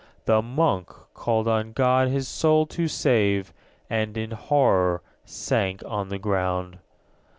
The Monk called on God his soul to save, And, in horror, sank on the ground.